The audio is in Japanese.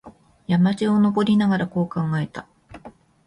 山路を登りながら、こう考えた。